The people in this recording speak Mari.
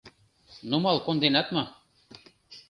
— Нумал конденат мо?